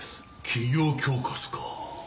企業恐喝か。